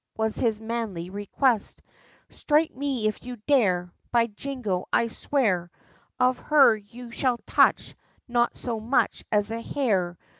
was his manly request: 'Strike me if you dare, By jingo, I swear Of her you shall touch not so much as a hair!